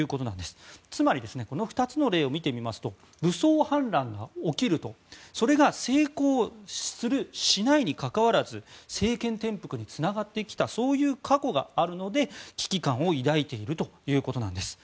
つまり、この２つの例を見てみますと武装反乱が起きると、それが成功するしないにかかわらず政権転覆につながってきた過去があるので危機感を抱いているということなんです。